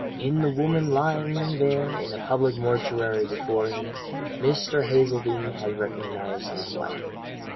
In the woman lying there in a public mortuary before him, Mr. Hazeldene had recognized his wife.